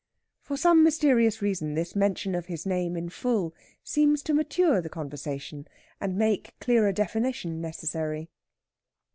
For some mysterious reason this mention of his name in full seems to mature the conversation, and make clearer definition necessary.